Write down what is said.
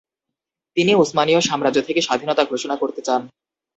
তিনি উসমানীয় সাম্রাজ্য থেকে স্বাধীনতা ঘোষণা করতে চান।